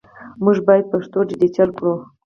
موږ باید پښتو ډیجیټل کړو